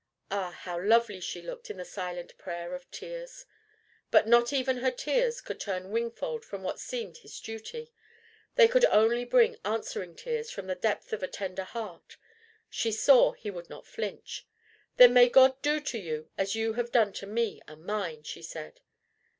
Ah, how lovely she looked in the silent prayer of tears! But not even her tears could turn Wingfold from what seemed his duty. They could only bring answering tears from the depth of a tender heart. She saw he would not flinch. "Then may God do to you as you have done to me and mine!" she said.